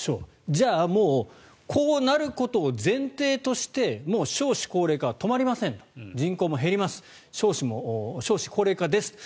じゃあもうこうなることを前提としてもう少子高齢化は止まりません人口も減ります少子高齢化ですと。